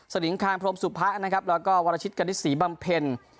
สนิทค้างพรมสุพภะนะครับแล้วก็วรชิดกรณิชศสีบังเภน